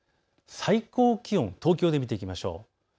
最高気温、東京で見ていきましょう。